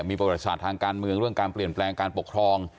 มีประวัติศาสตร์ทางการเมืองเรื่องการเปลี่ยนแปลงการปกครอง